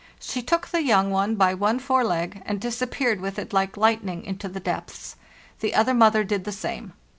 She took the young one by one fore leg, and disappeared with it like lightning into the depths. The other mother did the same.